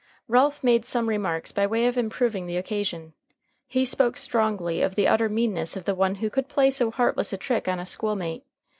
Ralph made some remarks by way of improving the occasion. He spoke strongly of the utter meanness of the one who could play so heartless a trick on a schoolmate.